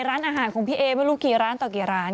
ร้านอาหารของพี่เอไม่รู้กี่ร้านต่อกี่ร้าน